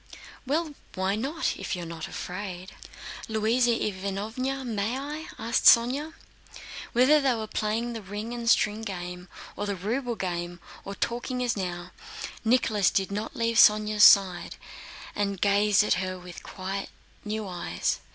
"Well, why not, if you're not afraid?" "Louisa Ivánovna, may I?" asked Sónya. Whether they were playing the ring and string game or the ruble game or talking as now, Nicholas did not leave Sónya's side, and gazed at her with quite new eyes.